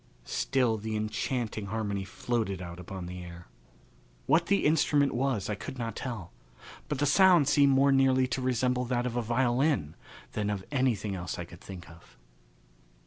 Still the enchanting harmony floated out upon the air. What the instrument was I could not tell; but the sound seemed more nearly to resemble that of a violin than of anything else I could think of.